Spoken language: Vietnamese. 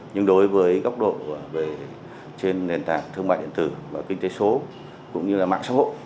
nhưng đối với góc độ trên nền tảng thương mại điện tử và kinh tế số cũng như là mạng xã hội